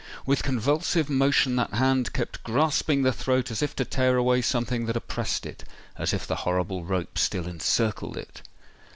With convulsive motion that hand kept grasping the throat as if to tear away something that oppressed it—as if the horrible rope still encircled it.